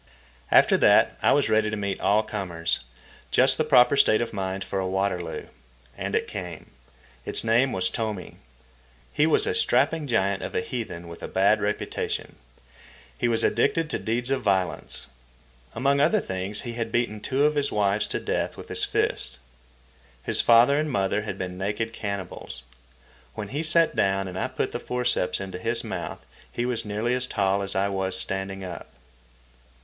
After that I was ready to meet all comers—just the proper state of mind for a Waterloo. And it came. Its name was Tomi. He was a strapping giant of a heathen with a bad reputation. He was addicted to deeds of violence. Among other things he had beaten two of his wives to death with his fists. His father and mother had been naked cannibals. When he sat down and I put the forceps into his mouth, he was nearly as tall as I was standing up.